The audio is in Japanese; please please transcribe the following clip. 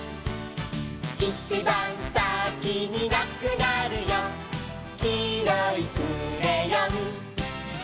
「いちばんさきになくなるよ」「きいろいクレヨン」